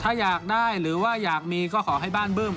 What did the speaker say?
ถ้าอยากได้หรือว่าอยากมีก็ขอให้บ้านบึ้ม